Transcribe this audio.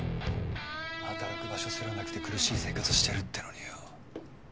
働く場所すらなくて苦しい生活してるってのによ